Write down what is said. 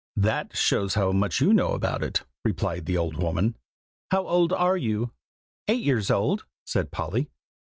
"That shows how much you know about it!" replied the old woman; "how old are you?" "Eight years old," said Polly.